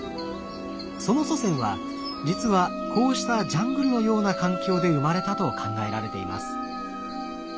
その祖先は実はこうしたジャングルのような環境で生まれたと考えられています。